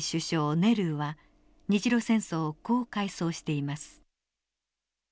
ネルーは日露戦争をこう回想しています。